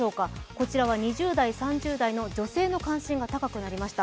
こちらは２０代・３０代の女性の関心が高くなりました。